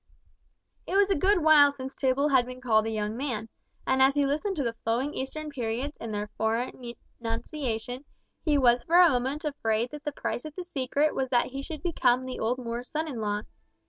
It was a good while since Tibble had been called a young man, and as he listened to the flowing Eastern periods in their foreign enunciation, he was for a moment afraid that the price of the secret was that he should become the old Moor's son in law!